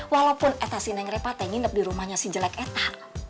walaupun eta si neng repah teh nginep di rumahnya si jelek eta